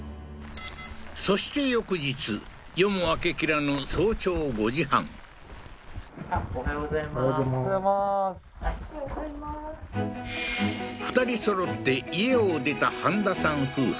そして翌日夜も明けきらぬ早朝５時半２人そろって家を出た飯田さん夫婦